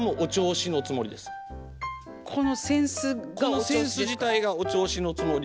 この扇子自体がお銚子のつもりで。